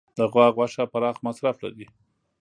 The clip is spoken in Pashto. د غوا غوښه پراخ مصرف لري.